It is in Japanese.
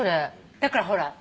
だからほら。